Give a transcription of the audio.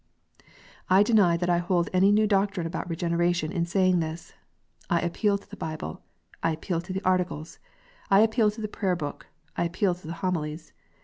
I deny that I hold any new doctrine about Regeneration in saying this. I appeal to the Bible ; I appeal to the Articles ; I appeal to the Prayer book ; I appeal to the Homilies.